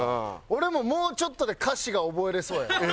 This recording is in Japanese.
俺ももうちょっとで歌詞が覚えられそうやねん。